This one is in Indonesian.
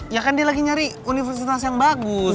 ya kan dia lagi nyari universitas yang bagus